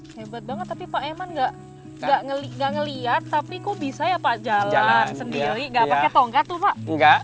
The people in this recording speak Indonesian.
hebat banget tapi pak eman gak ngeliat tapi kok bisa ya pak jalan sendiri gak pakai tongkat tuh pak